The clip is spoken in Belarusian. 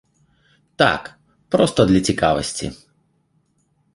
Так, проста для цікавасці.